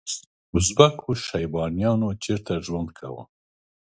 ازبکو شیبانیانو چیرته ژوند کاوه؟